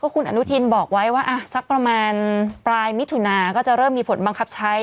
คุณอนุทินบอกไว้ว่าสักประมาณปลายมิถุนาก็จะเริ่มมีผลบังคับใช้